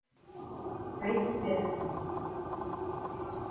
Tracy Jackson